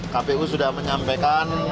kpu sudah menyampaikan